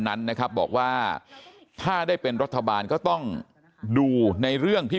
นั้นนะครับบอกว่าถ้าได้เป็นรัฐบาลก็ต้องดูในเรื่องที่